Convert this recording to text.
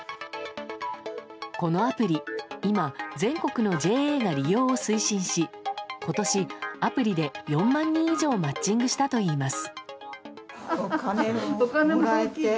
このアプリ、今全国のＪＡが利用を推進し今年、アプリで４万人以上マッチングしたといいます。